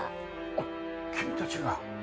あっ君たちが。